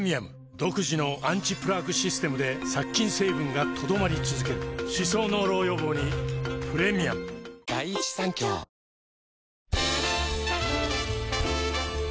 独自のアンチプラークシステムで殺菌成分が留まり続ける歯槽膿漏予防にプレミアムではお天気です、広瀬さん